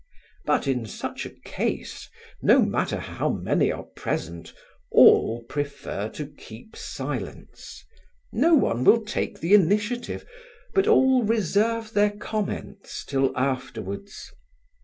But in such a case, no matter how many are present, all prefer to keep silence: no one will take the initiative, but all reserve their comments till afterwards.